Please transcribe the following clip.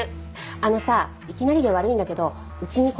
あのさいきなりで悪いんだけどうちに来れない？